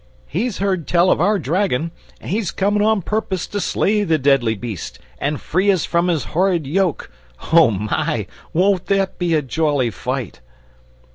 "He's heard tell of our dragon, and he's comin' on purpose to slay the deadly beast, and free us from his horrid yoke. O my! won't there be a jolly fight!"